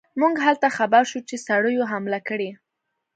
موږ هلته خبر شو چې سړیو حمله کړې.